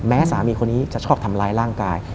สามีคนนี้จะชอบทำร้ายร่างกาย